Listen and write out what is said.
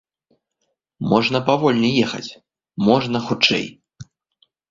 Можна павольней ехаць, можна хутчэй.